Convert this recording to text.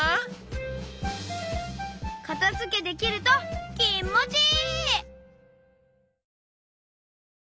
かたづけできるときもちいい！